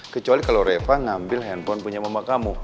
kecuali kalau reva ngambil handphone punya mama kamu